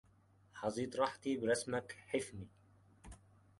حظيت راحتي برسمك حفني